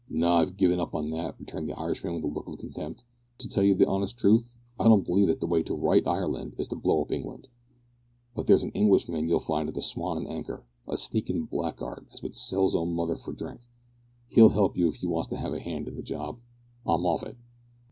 "No, I've gi'n that up," returned the Irishman with a look of contempt. "To tell you the honest truth, I don't believe that the way to right Ireland is to blow up England. But there's an Englishman you'll find at the Swan an' Anchor a sneakin' blackguard, as would sell his own mother for dhrink he'll help you if you wants to have a hand in the job. I'm off it."